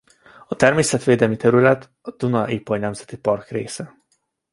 A természetvédelmi terület a Duna–Ipoly Nemzeti Park része.